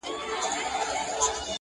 د رنځورو زګېروي ځي له ربابونو؛